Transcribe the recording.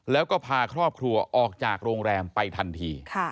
แล้วก็พาครอบครัวออกจากโรงแรมไปทันที